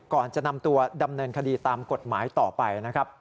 ก่อนจะนำตัวดำเนินคดีตามกฎหมายต่อไปนะครับ